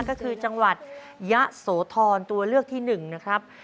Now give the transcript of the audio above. ก็คือจังหวัดยะโสธรตัวเลือกที่๑นะครับ